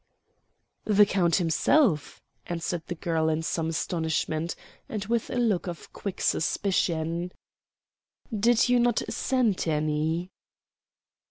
"The count himself," answered the girl in some astonishment, and with a look of quick suspicion. "Did you not send any?"